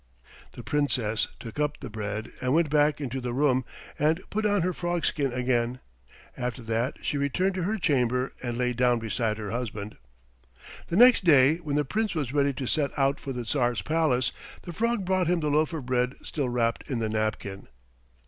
The Princess took up the bread and went back into the room and put on her frog skin again; after that she returned to her chamber and lay down beside her husband. The next day when the Prince was ready to set out for the Tsar's palace, the frog brought him the loaf of bread still wrapped in the napkin.